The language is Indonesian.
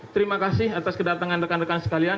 terima kasih atas kedatangan rekan rekan sekalian